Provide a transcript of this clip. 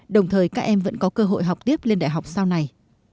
đồng thời các em vẫn có cơ hội học tiếp lên đại học sau này